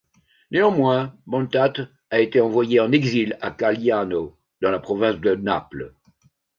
Néanmoins, Bontate a été envoyé en exil à Qualiano, dans la province de Naples.